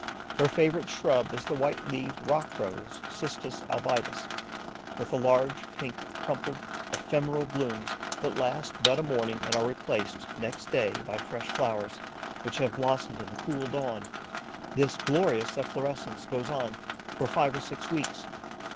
Her favourite shrub is the white leaved rock rose (Cistus albidus), with the large, pink, crumpled, ephemeral blooms that last but a morning and are replaced, next day, by fresh flowers, which have blossomed in the cool dawn. This glorious efflorescence goes on for five or six weeks.